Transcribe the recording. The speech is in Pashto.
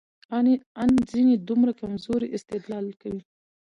ان ځينې دومره کمزورى استدلال کوي،